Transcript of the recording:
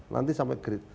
nanti sampai grade